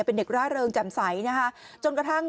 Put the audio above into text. เป็นเด็กร่าเริงจำใสจนกระทั่ง